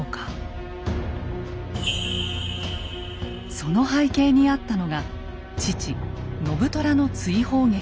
その背景にあったのが父・信虎の追放劇です。